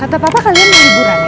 kata papa kalian mau liburan ya